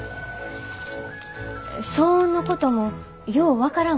騒音のこともよう分からん